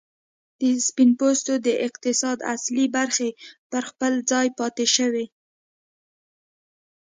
د سپین پوستو د اقتصاد اصلي برخې پر خپل ځای پاتې شوې.